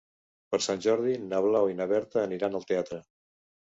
Per Sant Jordi na Blau i na Berta aniran al teatre.